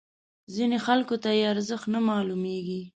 ځینو خلکو ته یې ارزښت نه معلومیږي.